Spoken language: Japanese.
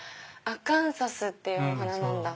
アカンサスっていうお花なんだ。